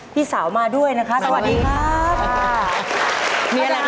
พี่สาวมาด้วยนะคะสวัสดีครับ